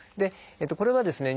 これはですね